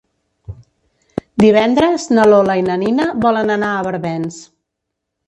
Divendres na Lola i na Nina volen anar a Barbens.